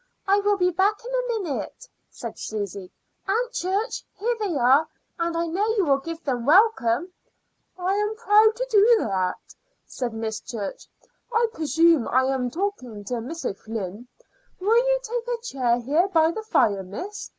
"I will be back in a minute," said Susy. "Aunt Church, here they are, and I know you will give them welcome." "I am proud to do that," said Mrs. Church. "I presume I am talking to Miss O'Flynn? Will you take a chair here by the fire, miss?